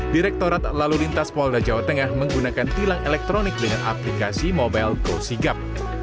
direktorat lalu lintas polda jawa tengah menggunakan tilang elektronik dengan aplikasi mobile go sigap